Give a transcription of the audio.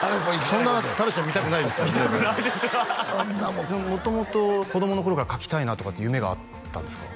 そんなもん元々子供の頃から書きたいなっていう夢があったんですか？